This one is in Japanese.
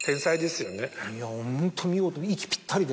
ホント見事息ぴったりで。